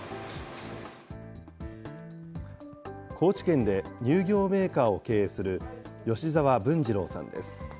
高知県で乳業メーカーを経営する吉澤文治郎さんです。